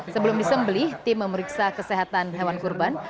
sebelum disembeli tim memeriksa kesehatan hewan kurban